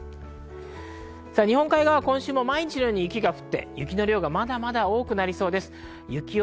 日本海側は今週は毎日のように雪が降り、雪の量まだまだ多くなりそうです。